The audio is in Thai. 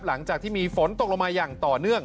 หลังจากที่มีฝนตกลงมาอย่างต่อเนื่อง